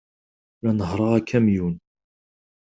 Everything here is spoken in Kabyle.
La nehhṛeɣ akamyun.